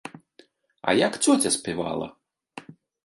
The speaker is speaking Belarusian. А як цёця спявала?